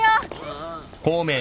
ああ。